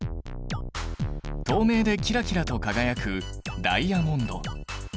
透明でキラキラと輝くダイヤモンド。